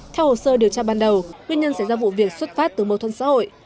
theo hồ sơ điều tra ban đầu nguyên nhân xảy ra vụ việc xuất phát từ mâu thuẫn xã hội